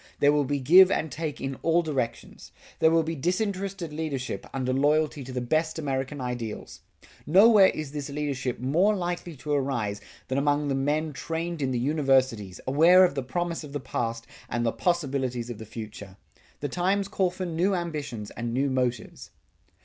There will be give and take in all directions. There will be disinterested leadership, under loyalty to the best American ideals. Nowhere is this leadership more likely to arise than among the men trained in the Universities, aware of the promise of the past and the possibilities of the future. The times call for new ambitions and new motives.